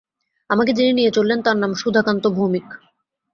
আমাকে যিনি নিয়ে চললেন, তাঁর নাম সুধাকান্ত ভৌমিক।